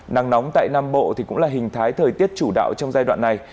nắng nóng tại nam bộ cũng là hình thái thời tiết chủ đạo trong giai đoạn này